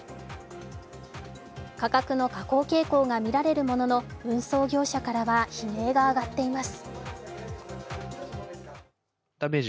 価格の下降傾向がみられるものの運送業者からは悲鳴が上がっています。